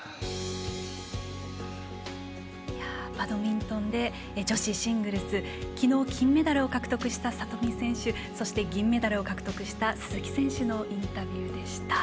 バドミントンで女子シングルスきのう、金メダルを獲得した里見選手そして銀メダルを獲得した鈴木選手のインタビューでした。